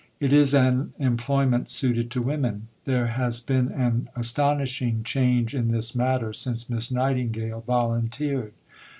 It is an employment suited to women. There has been an astonishing change in this matter since Miss Nightingale volunteered.